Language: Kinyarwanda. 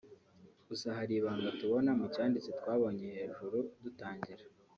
Gusa hari ibanga tubona mu cyanditswe twabonye hejuru dutangira